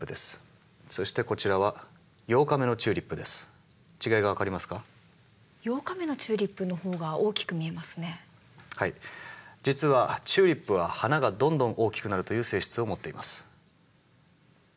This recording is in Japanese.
実はチューリップは花がどんどん大きくなるという性質を持っています。